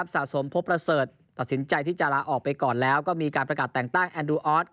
สะสมพบประเสริฐตัดสินใจที่จะลาออกไปก่อนแล้วก็มีการประกาศแต่งตั้งแอนดูออส